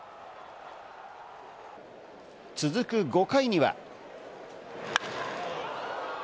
続く５回には。